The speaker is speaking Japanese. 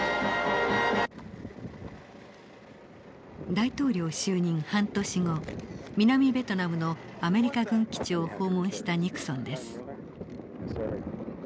大統領就任半年後南ベトナムのアメリカ軍基地を訪問したニクソンです。